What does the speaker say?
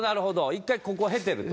一回ここ経てると。